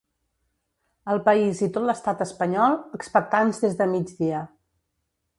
El país i tot l’estat espanyol expectants des de migdia.